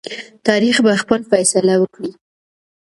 تاریخ به خپل فیصله وکړي.